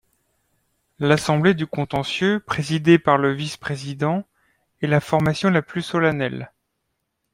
L'assemblée du contentieux, présidée par le vice-président, est la formation la plus solennelle.